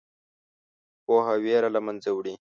پوهه ویره له منځه وړي.